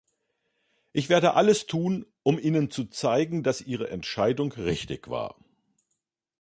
Ich werde alles tun, um Ihnen zu zeigen, dass Ihre Entscheidung richtig war.